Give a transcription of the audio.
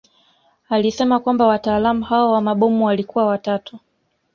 Alisema kwamba wataalamu hao wa mabomu walikuwa watatu